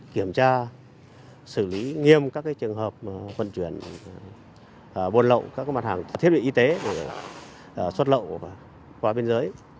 kiểm tra xử lý nghiêm các trường hợp vận chuyển buôn lậu các mặt hàng thiết bị y tế để xuất lậu qua biên giới